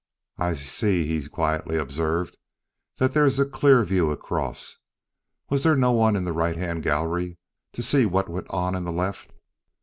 "I see," he quietly observed, "that there is a clear view across. Was there no one in the right hand gallery to see what went on in the left?"